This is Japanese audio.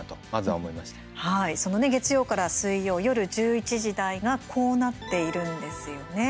はい、その月曜から水曜夜１１時台がこうなっているんですよね。